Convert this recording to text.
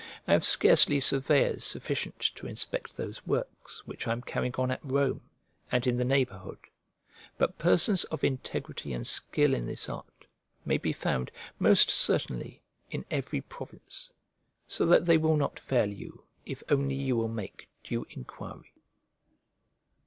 I have scarcely surveyors sufficient to inspect those works which I am carrying on at Rome, and in the neighbourhood; but persons of integrity and skill in this art may be found, most certainly, in every province, so that they will not fail you if only you will make due enquiry.